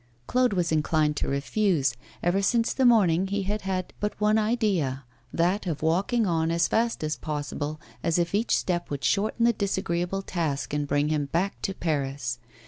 Claude was inclined to refuse. Ever since the morning he had had but one idea that of walking on as fast as possible, as if each step would shorten the disagreeable task and bring him back to Paris.